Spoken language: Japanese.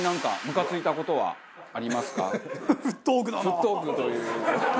沸騰ーク！！という。